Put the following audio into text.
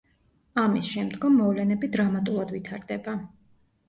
ამის შემდგომ მოვლენები დრამატულად ვითარდება.